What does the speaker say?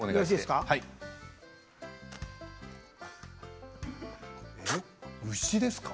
よろしいですか。